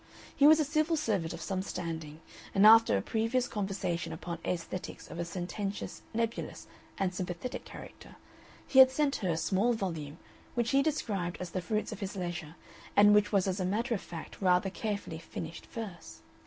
He was a civil servant of some standing, and after a previous conversation upon aesthetics of a sententious, nebulous, and sympathetic character, he had sent her a small volume, which he described as the fruits of his leisure and which was as a matter of fact rather carefully finished verse.